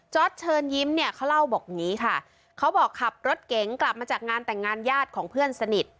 เชิญยิ้มเนี่ยเขาเล่าบอกอย่างนี้ค่ะเขาบอกขับรถเก๋งกลับมาจากงานแต่งงานญาติของเพื่อนสนิท